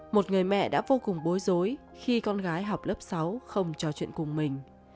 một người mẹ đã vô cùng bối rối khi con gái học lớp sáu không trò chuyện cùng mình